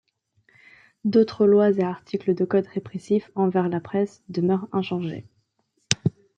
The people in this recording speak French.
D'autres lois et articles de code répressifs envers la presse demeurent inchangés.